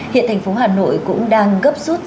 hiện thành phố hà nội cũng đang gấp rút